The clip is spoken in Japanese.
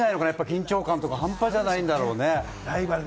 緊張感半端じゃないだろうね。